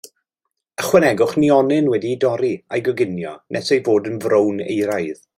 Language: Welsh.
Ychwanegwch nionyn wedi'i dorri a'i goginio nes ei fod yn frown euraidd.